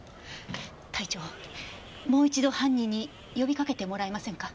隊長もう一度犯人に呼びかけてもらえませんか？